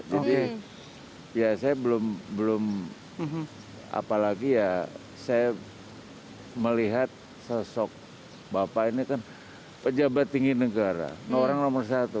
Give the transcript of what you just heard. jadi ya saya belum apalagi ya saya melihat sosok bapak ini kan pejabat tinggi negara orang nomor satu